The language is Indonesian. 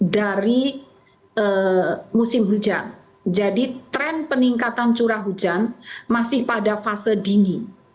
dari musim hujan jadi tren peningkatan curah hujan masih pada fase dingin